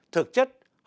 thực chất họ không biết